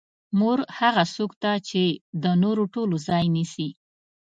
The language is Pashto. مور هغه څوک ده چې د نورو ټولو ځای نیسي.